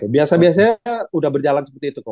biasa biasanya sudah berjalan seperti itu kok